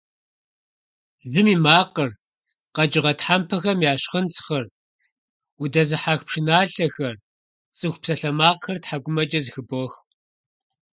Жьым и макъыр, къэкӀыгъэ тхьэмпэхэм я щхъынцхъыр, удэзыхьэх пшыналъэхэр, цӀыху псалъэмакъхэр тхьэкӀумэкӀэ зэхыбох.